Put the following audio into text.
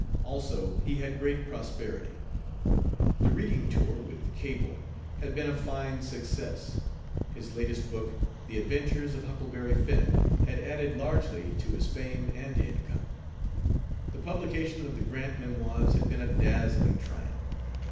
Also, he had great prosperity. The reading tour with Cable had been a fine success. His latest book, The Adventures of Huckleberry Finn, had added largely to his fame and income. The publication of the Grant Memoirs had been a dazzling triumph.